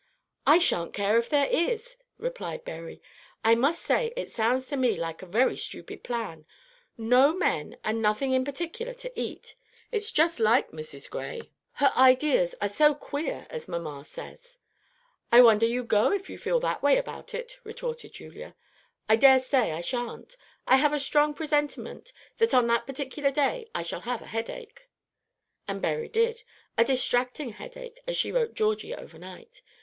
"I sha'n't care if there is," replied Berry. "I must say it sounds to me like a very stupid plan, no men, and nothing in particular to eat. It's just like Mrs. Gray. Her ideas are so queer, as mamma says." "I wonder you go if you feel that way about it," retorted Julia. "I dare say I sha'n't. I have a strong presentiment that on that particular day I shall have a headache." And Berry did, a "distracting" headache, as she wrote Georgie over night.